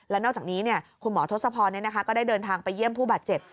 แล้วนอกจากนี้คุณหมอทศพรก็ได้เดินทางไปเยี่ยมผู้บาดเจ็บ